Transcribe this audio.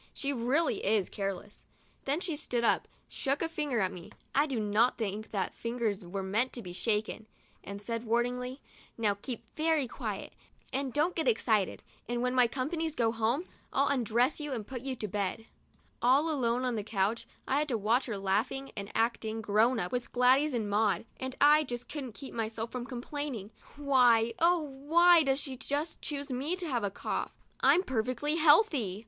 She really is careless. Then she stood up, shook a finger at me — I do not think that fingers were meant to be shaken — and said, warningly :" Now keep very quiet, and don't get excited, and when my company goes home, ill undress you and put you to bed/' All alone on the couch, I had to watch her laughing and acting "grown up" with Gladys and Maud, and I just couldn't keep from complaining, "Why, oh why does she just choose me to have a cough? I'm per fectly healthy."